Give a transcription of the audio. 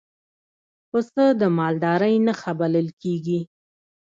پسه د مالدارۍ نښه بلل کېږي.